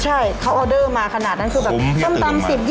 ใช่เขาออเดอร์มาขนาดนั้นคือแบบ